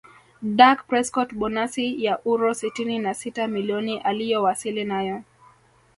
Dak Prescot Bonasi ya uro sitini na sita milioni aliyowasili nayo